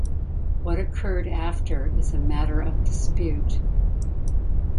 What occurred after is a matter of dispute.